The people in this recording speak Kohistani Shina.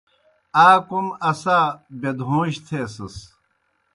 آ کوْم اسا بیدہوݩجیْ تھیسَس۔